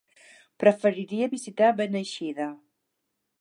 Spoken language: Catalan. Preferiria visitar Beneixida.